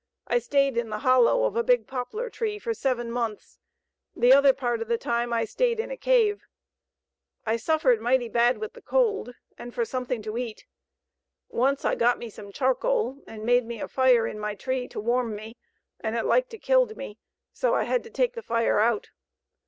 I stayed in the hollow of a big poplar tree for seven months; the other part of the time I stayed in a cave. I suffered mighty bad with the cold and for something to eat. Once I got me some charcoal and made me a fire in my tree to warm me, and it liked to killed me, so I had to take the fire out.